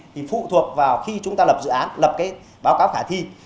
thì phụ thuộc vào khi chúng ta lập dự án lập cái báo cáo khả thi